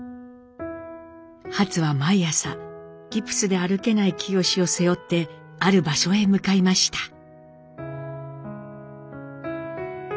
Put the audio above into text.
ハツは毎朝ギプスで歩けない清を背負ってある場所へ向かいました。